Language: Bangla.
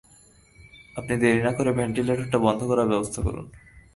আপনি দেরি না করে ভেন্টিলেটারটা বন্ধ করার ব্যবস্থা করুন।